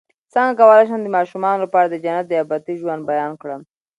څنګه کولی شم د ماشومانو لپاره د جنت د ابدي ژوند بیان کړم